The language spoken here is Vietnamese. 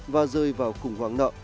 và rơi vào khủng hoảng nợ